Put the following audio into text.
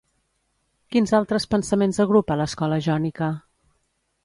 Quins altres pensaments agrupa l'Escola jònica?